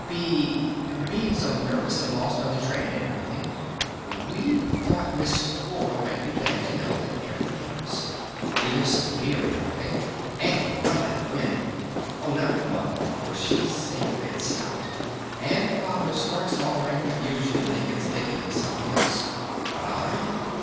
B Being so nervous and lost on the train and everything ... we thought Miss Flora might be glad to know that there were neighbors.... We live so near and everything.... And can run like the wind! Oh, not Mother, of course!... She's a bit stout! And Father starts all right but usually gets thinking of something else! But I...?